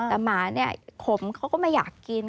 แต่หมาเนี่ยขมเขาก็ไม่อยากกิน